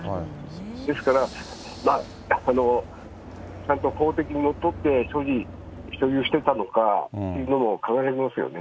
ですから、ちゃんと公的にのっとって所持、所有していたのか、というのも考えますよね。